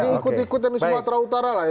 ikut ikut yang di sumatera utara lah ya